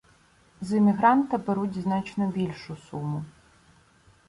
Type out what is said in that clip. З іммігранта беруть значно більшу суму